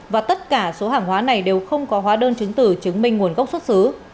và tất cả số hàng hóa này đều không có hóa đơn chứng tử chứng minh nguồn gốc xuất xứ